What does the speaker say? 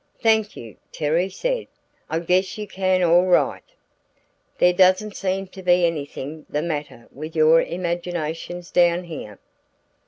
"Thank you," Terry said. "I guess you can all right! There doesn't seem to be anything the matter with your imaginations down here."